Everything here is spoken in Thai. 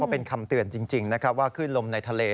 เป็นคำเตือนจริงนะครับว่าขึ้นลมในทะเล